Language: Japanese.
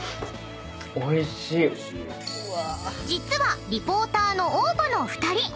［実はリポーターのＯＷＶの２人］